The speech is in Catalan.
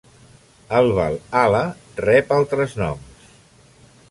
El Valhalla rep altres noms.